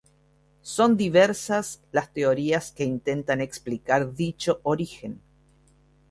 Son diversas las teorías que intentan explicar dicho origen.